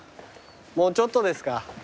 もうちょっとですか。